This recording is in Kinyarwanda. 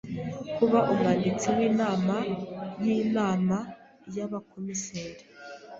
kuba Umwanditsi w’inama y’Inama y’Abakomiseri;